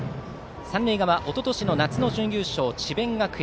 三塁側、おととしの夏の準優勝智弁学園。